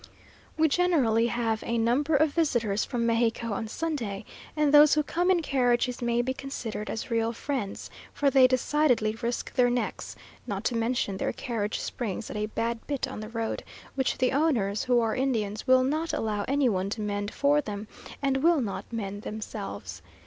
We generally have a number of visitors from Mexico on Sunday, and those who come in carriages may be considered as real friends, for they decidedly risk their necks, not to mention their carriage springs at a bad bit on the road, which the owners, who are Indians, will not allow any one to mend for them, and will not mend themselves.